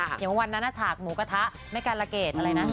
อย่างเมื่อวันนั้นนะฉากหมูกระทะไม่การระเกตอะไรนะ